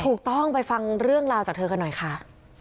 ถูกต้องไปฟังเรื่องราวจากเธอกันหน่อยค่ะ